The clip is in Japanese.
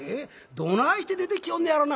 どないして出てきよんねやろな」。